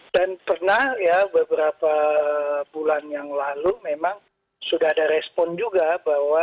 dan pernah ya beberapa bulan yang lalu memang sudah ada respon juga bahwa